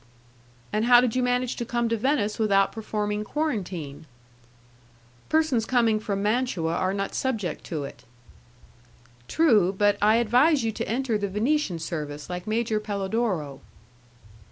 "And how did you manage to come to Venice without performing quarantine?" "Persons coming from Mantua are not subject to it." "True; but I advise you to enter the Venetian service like Major Pelodoro."